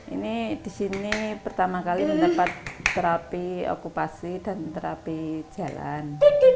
ini di sini pertama kali mendapat terapi okupasi dan terapi jalan